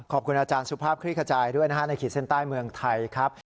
ขอบคุณอาจารย์สุภาพคลิกกระจายด้วยนาฬิกาเซ็นต์ใต้เมืองไทย